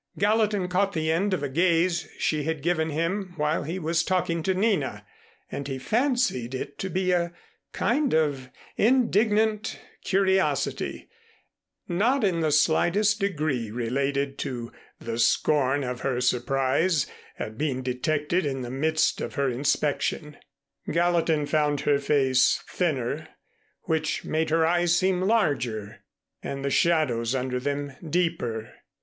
Gallatin caught the end of a gaze she had given him while he was talking to Nina, and he fancied it to be a kind of indignant curiosity, not in the slightest degree related to the scorn of her surprise at being detected in the midst of her inspection. Gallatin found her face thinner, which made her eyes seem larger and the shadows under them deeper.